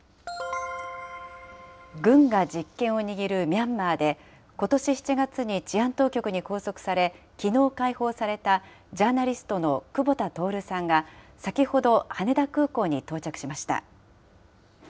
軍が実権を握るミャンマーで、ことし７月に治安当局に拘束され、きのう解放されたジャーナリストの久保田徹さんが、先ほど羽田空港に到着しました。